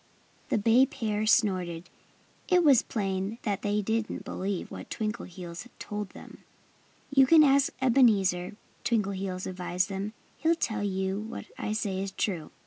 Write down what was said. The bay pair snorted. It was plain that they didn't believe what Twinkleheels told them. "You can ask Ebenezer," Twinkleheels advised them. "He'll tell you that what I say is true."